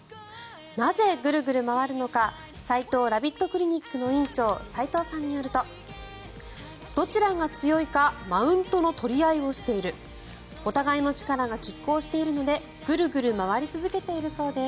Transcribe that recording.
なぜ、ぐるぐる回るのかさいとうラビットクリニックの院長、斉藤さんによるとどちらが強いかマウントの取り合いをしているお互いの力がきっ抗しているのでぐるぐる回り続けているそうです。